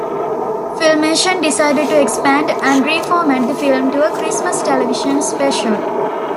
Filmation decided to expand and reformat the film to a Christmas television special.